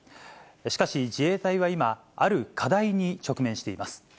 しかし、自衛隊は今、ある課題に直面しています。